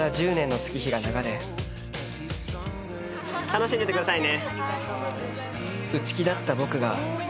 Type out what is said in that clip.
・楽しんでってくださいね。